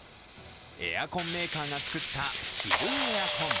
エアコンメーカーが作った着るエアコン。